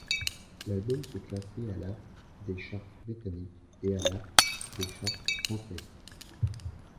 L'album s'est classé à la des charts britanniques et à la des charts français.